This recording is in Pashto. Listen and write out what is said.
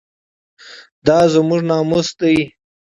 دا زموږ ناموس دی